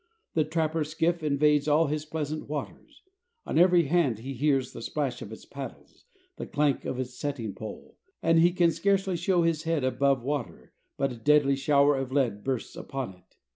The trapper's skiff invades all his pleasant waters; on every hand he hears the splash of its paddles, the clank of its setting pole, and he can scarcely show his head above water but a deadly shower of lead bursts upon it.